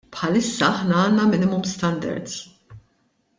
Bħalissa aħna għandna minimum standards.